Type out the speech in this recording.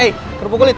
eh kerupuk kulit